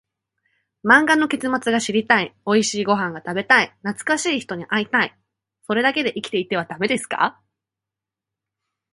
漫画の結末が知りたい、おいしいご飯が食べたい、懐かしい人に会いたい、それだけで生きていてはダメですか？